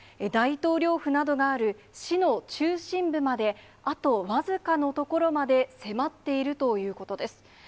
大統領府などがある市の中心部まで、あと僅かの所まで迫っているということです。